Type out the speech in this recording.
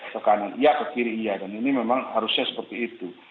ke kanan iya ke kiri iya dan ini memang harusnya seperti itu